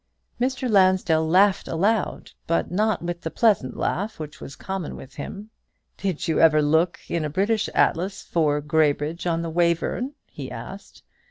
Mr. Lansdell laughed aloud, but not with the pleasant laugh which was common to him. "Did you ever look in a British atlas for Graybridge on the Wayverne?" he asked.